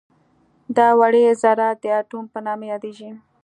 دا وړې ذرات د اتوم په نامه یادیږي.